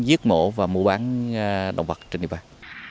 giết mổ và mua bán động vật trên địa bàn